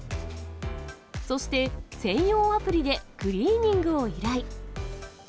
そして、専用アプリでクリーニングを依頼。